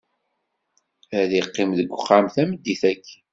Ad iqqim deg uxxam tameddit-aki.